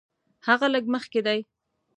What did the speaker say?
هغه لږ مخکې دی.